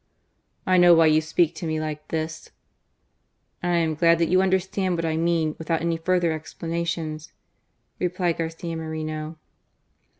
" I know why you speak to me like this !" "And I am glad that you understand what I mean, without any further explanation," replied Garcia Moreno.